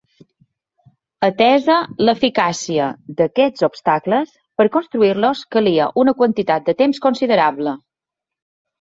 Atesa l'eficàcia d'aquests obstacles, per construir-los calia una quantitat de temps considerable.